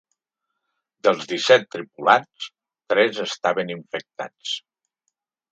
Dels disset tripulants, tres estaven infectats.